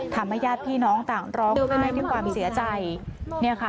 ญาติพี่น้องต่างร้องไห้ด้วยความเสียใจเนี่ยค่ะ